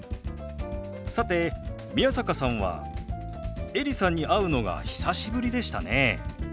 さて宮坂さんはエリさんに会うのが久しぶりでしたね。